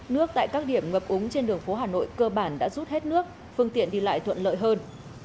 nước tại các điểm ngập úng trên đường phố hà nội cơ bản đã rút hết nước phương tiện đi lại thuận lợi hơn